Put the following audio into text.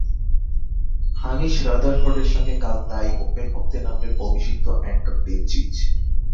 Hamish রাদারফোর্ডের সঙ্গে কাল তাই ওপেন করতে নামলেন অভিষিক্ত অ্যান্টন ডেভচিচ।